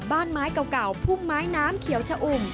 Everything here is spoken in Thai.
บ้านไม้เก่าพุ่มไม้น้ำเขียวชะอุ่ม